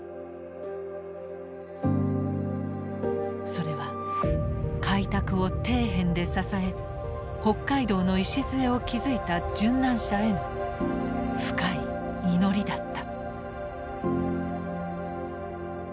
それは開拓を底辺で支え北海道の礎を築いた殉難者への深い祈りだった。